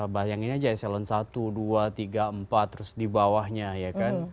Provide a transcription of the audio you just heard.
bayangin aja eselon satu dua tiga empat terus di bawahnya ya kan